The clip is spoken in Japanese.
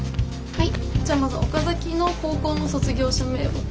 はい。